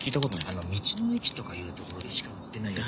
あの道の駅とかいうところでしか売ってないやつ。